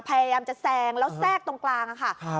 พยายามจะแซงแล้วแทรกตรงกลางค่ะ